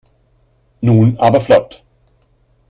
Nun aber flott!